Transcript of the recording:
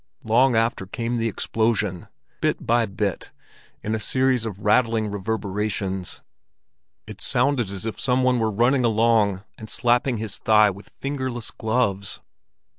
Long after came the explosion, bit by bit in a series of rattling reverberations. It sounded as if some one were running along and slapping his thigh with fingerless gloves.